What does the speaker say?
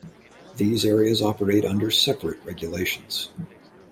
These areas operate under separate regulations.